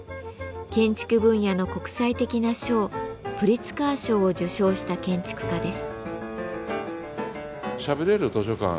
建築分野の国際的な賞プリツカー賞を受賞した建築家です。